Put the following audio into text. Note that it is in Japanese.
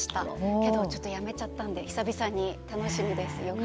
けどちょっとやめちゃったので久々に楽しみです。